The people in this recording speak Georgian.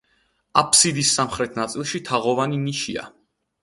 აფსიდის სამხრეთ ნაწილში თაღოვანი ნიშია.